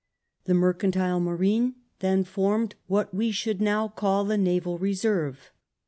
The mercantile marine then formed what we should now call the naval reserve.